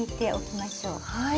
はい。